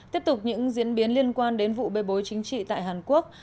tiếp tục những diễn biến liên quan đến vụ bê bối chính trị tại hàn quốc